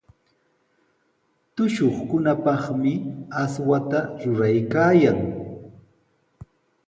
Tushuqkunapaqmi aswata ruraykaayan.